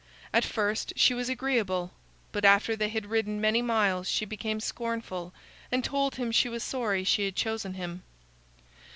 At first she was agreeable, but after they had ridden many miles she became scornful, and told him she was sorry she had chosen him.